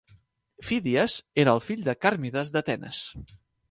Fídies era el fill de Càrmides d'Atenes.